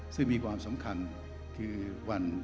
ซึ่งมีความสำคัญคือวัน